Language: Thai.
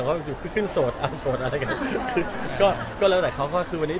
เพราะว่าอยู่ขึ้นโสดอ่ะโสดอะไรกันก็แล้วแต่เขาก็คือวันนี้